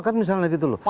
kan misalnya gitu loh